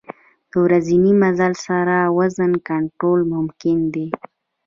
د ورځني مزل سره وزن کنټرول ممکن دی.